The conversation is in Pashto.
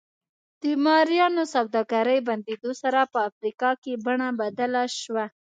د مریانو سوداګرۍ بندېدو سره په افریقا کې بڼه بدله شوه.